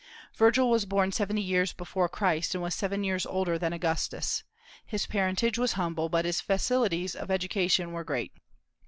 Virgil was born seventy years before Christ, and was seven years older than Augustus. His parentage was humble, but his facilities of education were great.